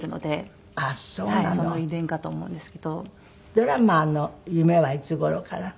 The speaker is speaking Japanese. ドラマーの夢はいつ頃から？